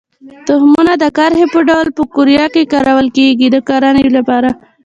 تخمونه د کرښې په ډول په قوریه کې کرل کېږي د کرنې لپاره.